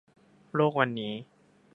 โลกวันนี้